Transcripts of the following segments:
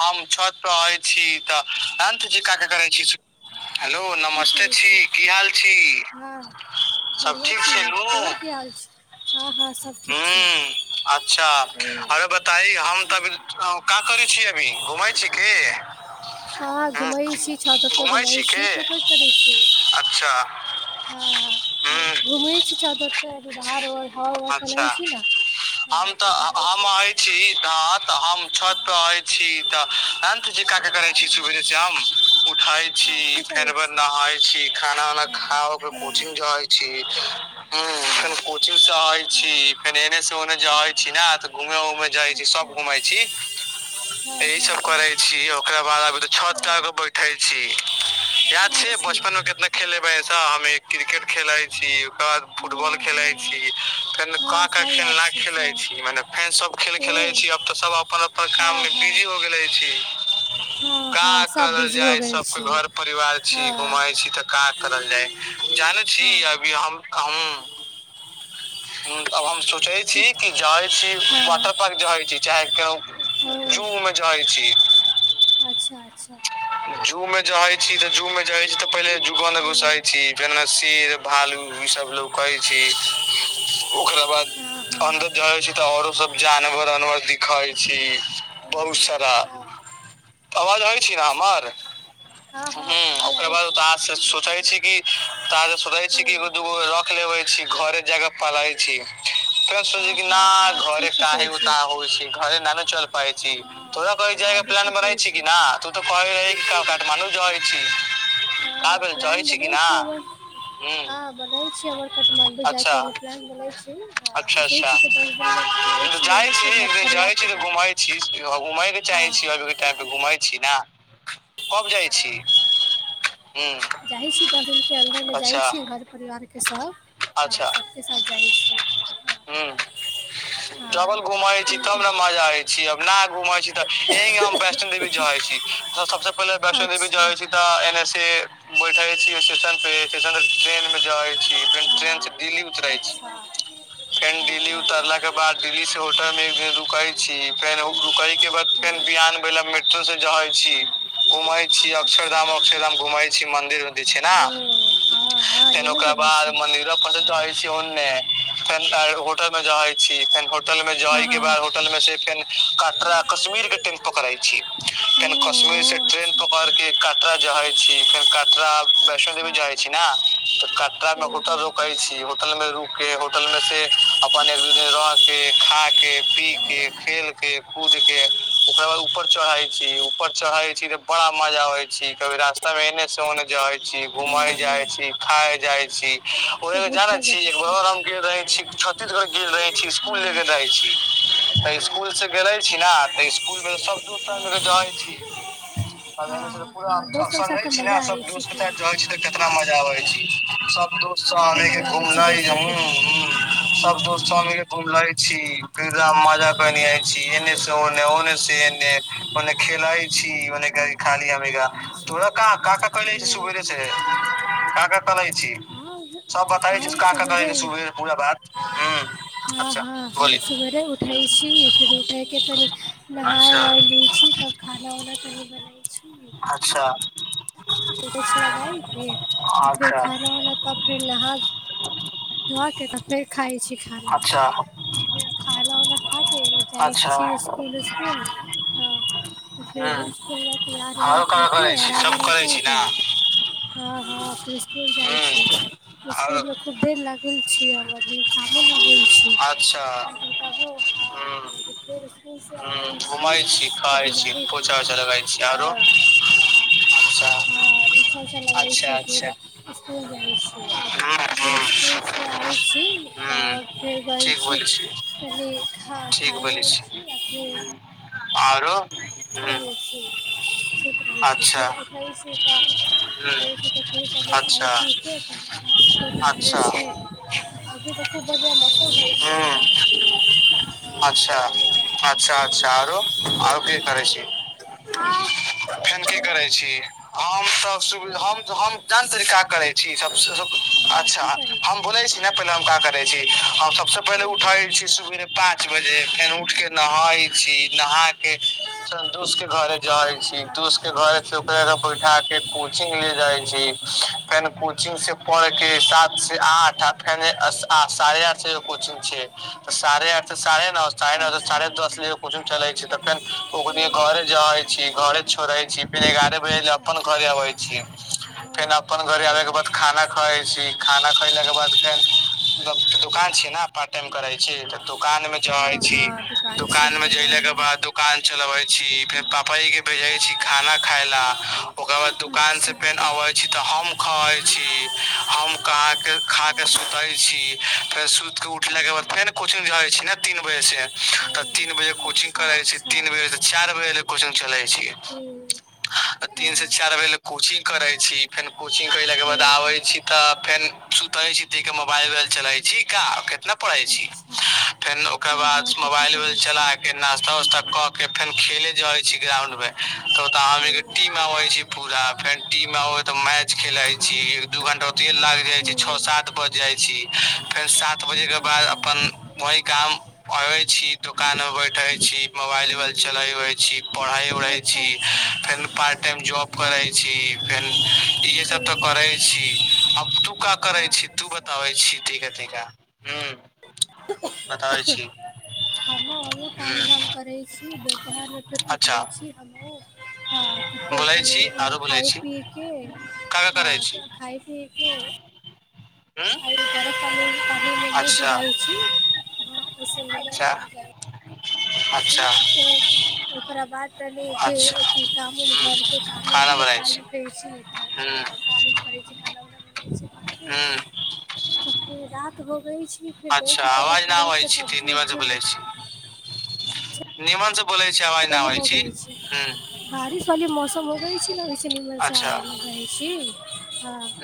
हम छत पर आबै छी तऽ अन्त ज का कऽ करै छी हेलो की नमस्ते करै छी की हाल छी हँ बढ़िआँ छी तोहर की हाल छी ह अच्छा हूँ, अरे बताइ हम तऽ कि करै छी अभी घुमै छी की हँ घूम छी छत घूम घुमै के छी तू का करै छी अच्छा ह हूँ घूमे छी छत बाहरर ह अच्छा [unintelligible] छी न हम तऽ हम अछि छी तऽ हम हँ छत पर हँ आइ छी तऽ अंत जे क के करे छी सुेरे से आाम उठे छी हँ की करै फेरर छी नहााय छी खाना उ हँ खा हँ कोचिंग जेइ छी ह फेर हँ कोचिंगसँ हँ आयछी हँ फेर एने ओने जाै छी ने तऽ घूमे उऊमे जाइ छी अच्छा सब घूमै छी हँ यही हँ सब करै हँ ओकरा बाद छत हँ बैठे छी याद छै बचपन मे अच्छा केितना खेलेबेऐसा ह क्रिकेट खेले छी ओकर बाद फुटबॉल हँ खेले हँ छी फेर क हँ क सब याद खेलना छी खेले सब छी मने फेन सब खेल खेले हूँ छी अब तऽ सब अपन अपन काम हँ मे बिजी हो हँ गेले छी हँ हँ का सब करल बिजी हो जाय गेल सबके छी घर परिवार छी हँ घुमाई छी तऽ का करल जाय जाने छी हँ अभी हमब हम अब हम सोच पूछे छी ठीक कि जहै छी हँ वाटर पार्क जै छी चाहे के ओ जू मे जाइ छी अच्छा अच्छा जू मे जाइ छी तऽ जू जू मे जाे छी त पहिले जुगन घुसई छी फेर शेर भालू ई सब लो कहै छी ओकरा बाद हँ अन्दर हँ जड़े छै तऽ औरो सब जानवर उनवर दिखई छी बहुत सारा आवाज आबै छी ने हमर हँ ह हँ आवाज ओकरा बाद तास आबै सोचइ छै छी क त सोताै छी ओ किो दूगो रख लेब छी घरे जग पलै छी फेर सोच हँ न हँ हँ घरे ठीक काही सोचै छी उता होइ छै घरे न चल पायइ छी हँ तोरा कह हँ जाय प्लान मे दिक्कत रहै होइ छी छै कि न तू तऽ कहै रहै कि काठमाणडू जइ त भेल जइ छै कि न ह बनल छी हमर काठमाण्डू जाय अच्छा के बनल अच्छा अच्छा छ दस दिन मे नै छीए से घर परिवार त घूमै छी घूमय के चाहे छी अभी के हँ टाइम प घूमै छी ने कब जाइ छी हूँ जाइ छी दस दिनक के अन्दर मे जाइ अच्छा छी घर परिवार के सभ हँ सभके साथ जाइत छी ह जबल हँ हँ घुमाै छी तब मजा आय छीब न घुम छी तऽ यही हम वैष्णो देवी जै छी त सबसे पहिले वैष्णो देवी अच्छा जइ हँ छै तऽ एन एस ए बैठे छी स्टेशन पे स्टेशन ट्रेन इ छी फेर अच्छा ट्रेन से दिल्ली उतरे छी हँ फेर दिल्ली उतरला के बाद दिल्ली से होटल मे एक दिन रूके छी फेर रुकै के हँ बाद फेर बिहान भेल मेट्रो से जहे छी हँ हँ घूमै छी क अक्षरधाम अच्छा अक्षरधाम घुमै छी मंदिर छै ने ओ हँ हँ त नीमन ब जगह छी मन्दिरो प हँ चै छी ओन्ने फेन होटल मे जाहै छी फेन होटल में जाइ के हँ बाद होटल में से फेन कटरा कश्मीर के ट्रेन पकड़ै छै ओ फेर कश्मीर से ओ ट्रेन अच्छा पकड़ के कटरा जहै छी फेर कटरा वैष्णो देवी अच्छा जहै छी ने तऽ क ओ कटरा हो मे होटल रुके हो छी होटल में रुक के होटल में से अपन एक दू दिन अच्छा रह के खा के पी कऽ खेलि कऽ कूदि कऽ ओकरा बाद ऊपर चढ़ई छी ऊपर चढ़े छी ते बड़ा मजा आबे छी कभी रास्ता मे एने से ओने जाइ छी घूमे तऽ जाय छी खाय जाय छी बहुत जाने मजा छी एक छै आओर हम गेल रही छत्तीसगढ़ गेल रहे छी स्कूल ले हँ के रहय छी तऽ स्कुल से गेल छी ने तऽ स्कुल सब दूस र्ग जै छी आब एने से त हँ पूरा हँ दोस्त सबके ऑप्शन साथ रहै तो छै ने मजा सब आबै छै दोस्त क खूब जाइ छी तऽ केतना मजा आबै छै सब दोस्त सब हाँ, आ खूब के मजा आबै छै घुमले दोस्त ह सबके जादा सब हँ दोस्त सब मिल घुम लै छी फधा मजा बनि जाइ छी एने से ओने ओने से एने ओन्ने खेलइ छी [unintelligible] हँ अच्छा परहै छी हँ सब बताय छै हँ क का सवेरे कहे सुबे पूरा बात ह हँ अच्छा हँ हम बोली सवेरे उठै छी फिर उठैके तनी नहाय अच्छा उहाय लै छी तब खाना ओना तनि बनई छी अच्छा किछ लगाायकेै आ फेर अच्छा खाना उना तब फेर नहा धोआ के तऽ फेर खाइ छी खाना अच्छा फेर खाना उना खा के जाइत छी इसकूल इसकूल हँ तऽ फेर हूँ इसकुल जाय त तैयार आरो उयार क हो के करै छी आराम सब उराम करै कर छी ने के हँ हँ फिर इसकूल जाय छी ह इसकूल आरो मे खूब बेल लागेल कामो न हो छी अच्छा ह लेकिन तबो हाँ फेर इसकूल से आ गेल ह घुमइ छी तऽ खाइ छी बीमारी पोछा उछा लगाइ छी आरो अच्छा आ पूछा उछा लगैत अच्छा छी फिर अच्छा इसकुल जाइत छी ह फिर इसकुल आबै छी ह तब फेरबै ठीक छी बोलै तन खा खायो छी आ फेर अउरो सुइत रहैत छी सुत रहैत छी अच्छा फेर उठैत छ तऽ ह उठ छी तऽ फेर अच्छा अच्छा [unintelligible] अभी तऽ खूब बढ़िआ मौसम रहै ह छै अच्छा खूब बढ़िआँ मौसम होइ अच्छा अच्छा छै आउरो आर के करै छी हँ फेन की करै छी हम त सु हम हम जानै तारे का करै छै सबस सब हँ अच्छा की करै बोले छी न पहिले हम क करे छी हम सबस पहिले उठे छी सुरुये म पाँच बजे फेन उठ कऽ नहै छी नहा के संतुष के घर जाई छी दोस अच्छा के घर ओकरा के बैठा के कोचिंग ले जाइ छी फेन अच्छा कोचिंग से पढ़ के सात से आठ आ फेन साढ़े आठ कोचिंग छै साढ़े आठ साढ़े नओ साढ़े नओ अच्छा साढ़े दस तकली कोचिंग चलै छै त फैन ओ हूँ घरे जाइ छी घरे छोड़े छी फेर एगारह बजे ले अच्छा अपन घरे अबै छी फेन ओ अपन घरे ओ आबे के बाद अच्छा खाना खाइ अच्छा छी खाना खइला के हँ दुकान छिय न पार्ट टाइम करै छी दुकान मे जाइ हँ छी हँ दुकान में छियै हँ जयला के बाद हँ दुकान चलबे छी फेर प पापा जी के भेजे छी खाना खाय ला ओकर बाद दुकान से अच्छा फेर हँ अबे छी त हम खाइ छी हम कहा के आ के हँ सुते छी फेर सुत के उठला के बाद हँ फेर कोचिंग जाइ छी न तीन बजे से ओ तऽ तीन बजे कोचिंग अच्छा करै छी अच्छा तीन बजे हूँ त चारि बजे कोचिंग चलै छि हँ तीन से चारि बजे ले कोचिंग करै छी फेर कोचिंग केलाक के हूँ बाद आबै हूँ छी त फेन सुती के मोबाइल उबाइल चलै छै का कितना पढ़े छी अच्छा फेर ओकर हँ बाद हँ कितना मोबाइल उबाइल पढ़ै छी चला के हूँ नास्ता उास्ता क के फेन खेलै जइ छी ग्राउंड मे तऽ ओतअ हमनी के हूँ टीम अबे छी पूरा फेर टीम अब तऽ मैच खेले छी एक दू घंटा [unintelligible] छओ सात बजि जाइ छी फेर सात बजेके बाद अच्छा अपन हूँ वह काम करे छी दुकान मे बैठे छी मोबाइल उबाइल चलेबै उहे छी पढ़ई उढ़े अच्छा छी अच्छा फेन पाट टाइम जॉब हँ करै छी फेन इहे सब तऽ हूँ करै छी करै हँ छी तू अच्छा बताबै छी ठिक हे ठिक हे बताबै छी हमहुँ हमँ काम हूँ धाम करै छी दपहरमे फेर उठै अच्छा छी हमहुँ बोलै छी आरो बोलै खाय छी पी के का का आ करै छी खाइ पी के हूँ आइ बरफाल पानमे अच्छा दुबइ छी अच्छा [unintelligible] [inaudible] ओकरा बाद तनि फेर अच्छा हूँ अथि कामुन घरके खाना कामुन बनाबै करै छी तऽ हूँ काम उ करैत छी खाना उना बनै छी घर हूँ तऽ फेर रा त भोगै छी फिर दै अच्छा छी पहिले आवाज ना आबै खरीदकेऽ छी तनी सब्जी निमन से उब्जी बोलै ले छी निमन स [unintelligible] बारिश वाली मौसम क अगै छी ने ओहि सनेमलसँ अच्छा आवाजमे रहैत छी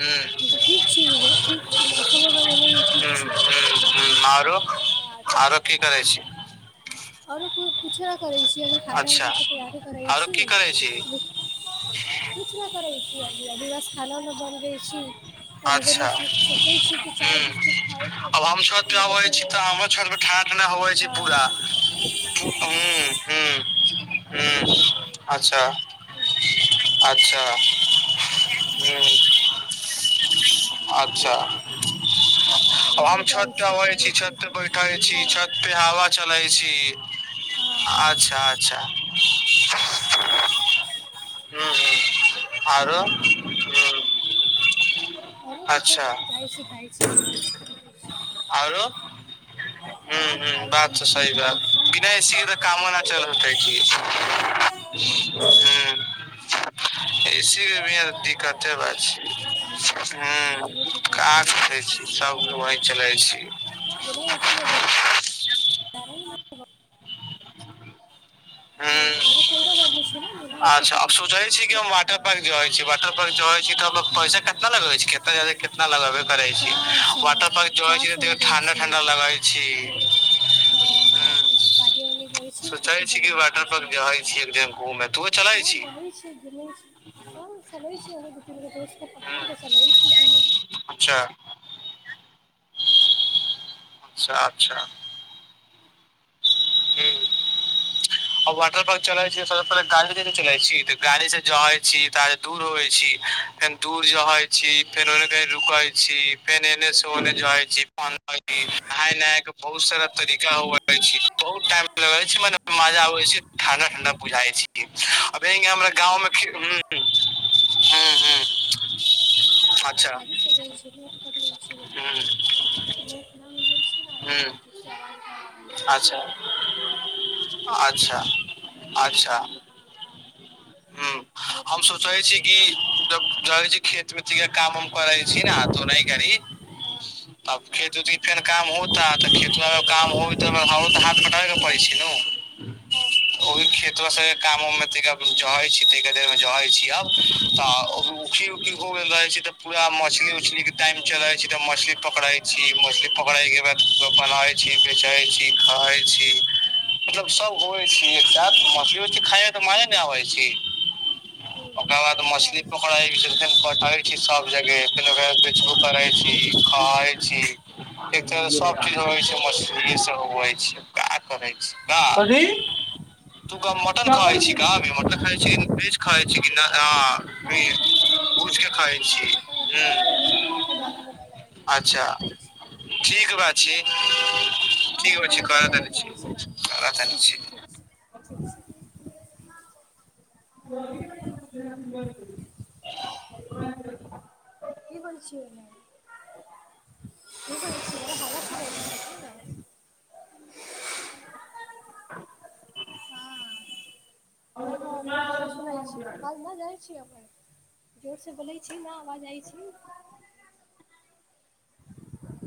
ह ठीक छी ठीक छी मौसमसने भी ह ठीक छी ह आरो हँ हँ तऽ आरो की करै छी आओरो कुछो न करै छै कि अभी खाना अच्छा उना के तैयारी करै आरो छी की करै छी किछु न करै डिवस खानामे बनबै छी कनी अच्छा देरमे सोचै छी कि चाय हँ बिस्कुट खायके आब हम छत पे लेकिन अबै फेर छी तऽ हमर छत पे ठण्ड क होवै छै हँ पूरा ह ह ह अच्छा अच्छा हँ ह अच्छा हँ हम ओहिमे जाइ छत पे अबै खाइ छी छत पे बैठे छी छी हँ छत पे हवा चलै छी हँ हँ अच्छा अच्छा ह आरो ह [unintelligible] आओरो ह हँ ह खाइ बात पी तऽ छी सही जाइ बात छी बिना ऐ सी के तऽ कामो नहि चलतै अछि दं एसी मे भी बहुत दिक्कते बा छै करै छी सब वही चलै छी [unintelligible] [unintelligible] हू अच्छा अब सोचै छिय कि हम वाटर पार्क जइ छीय वाटर पार्क जइ छी तऽ पैसा कतना लगे छै केतनाादे केतना लगे करे छै चारि सौ वाटर पार्क चारि ज सौ छै लगै ठंडा ठंडा लगइ छि हँ हँ पानी ओनी होइ छै त खूब बढ़िआँ लाग क जइ छीय एक दिन घूमे त हँ रहैत छी घमैत छी हम चलैत छी दु तीन गो दोस्तके हूँ पकाड़ कऽ चलैत छी अच्छा अच्छा अच्छा हू आ वाटर पार्क चलाइ स गाड़ी चलाइ छी तऽ गाड़ी से जइ छी ते दूर होइ छी फेन दूर जहै छी फेर ओने रुकाय छी फेर एने से ओने जाइ छी नहाय नहाय के बहुत सारा तरीका हुव छै बहुत टाइम लगल छै मने मजा आबे छै ठंडा ठंडा बुझाई छी हमरा गाँंव में ह्म ह हँ हँ हूँ [unintelligible] हूँ अच्छा [unintelligible] अच्छा अच्छा ह नेट हम नहि मिलै सोचे छी छै कि जब जाइ छी खेत मे त काम उम करै छी ने हथो नहि करी हँ तब हँ खेत उ फेर काम होता तऽ खेत काम हमु त [unintelligible] छै ने हँ ओही खेतबा से कामो उम में तइका जोहै छी तनका देर मे जो है छी अब तऽ हँ अच्छा उखी उखी हो गेल रहे छै पूरा मछली उछली के टाइम चले छै तऽ मछली पकड़े छी मछली पकड़े के बाद अच्छा खाइ छी बेचै छी खाइ छी हँ मतलब सब होइ छी एक साथ मछली उछली खााय तऽ हँ माये ने हँ आबै छी हूँ ओकर बाद हूँ मछली जाइ पोखड़ छै हँ फे करैय छी सब जगह लेकिन ओकरााद बेचबो करे छी [unintelligible] खा छी एक तरह सब चीज हो गैल छै मछली से हो छै का करै छी का काथी तू गा मटन खाइ छी क मटन खाइ छी क वेज खाइ छी की नहि पुंछ के खाइ हँ छी मटन वटन खाइ हू [inaudible] अच्छा नहि खाइ छी ठीक बा छी मटनो पसन्द करै छी हँ ठीक बा ठीक छी होइ छै करे फेर दानी बतबै ठीक छै ठीक छै ठीक छै हू आहाँ के [unintelligible] करै छियै की कहै छियै ह हवा सुनै छियै की [unintelligible] ने हँ हँ हँ [inaudible] बहुत हवा सुनै छी बाद न जाइ छी [unintelligible] जोर से बोलै छी न आवाज आई छी